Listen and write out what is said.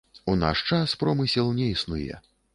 У наш час промысел не існуе.